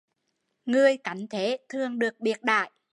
Người cánh thế thường được biệt đãi